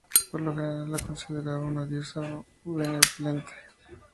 Pero en general se la consideraba una diosa benevolente.